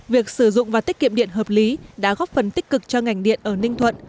việc sử dụng và tiết kiệm điện hợp lý đã góp phần tích cực cho ngành điện ở ninh thuận